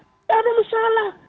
tidak ada masalah